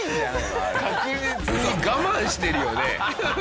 確実に我慢してるよね。